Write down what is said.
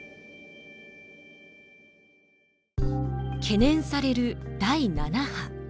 懸念される第７波。